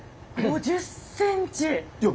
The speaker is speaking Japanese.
５０ｃｍ！